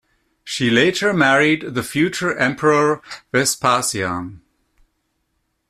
She later married the future Emperor Vespasian.